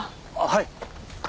はい。